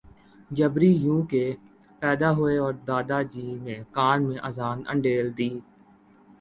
جبری یوں کہ ، پیدا ہوئے اور دادا جی نے کان میں اذان انڈیل دی